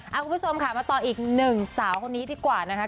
คุณผู้ชมค่ะมาต่ออีกหนึ่งสาวคนนี้ดีกว่านะคะ